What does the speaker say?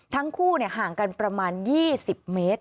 ทั้งคู่ห่างกันประมาณ๒๐เมตร